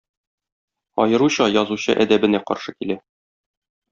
Аеруча язучы әдәбенә каршы килә.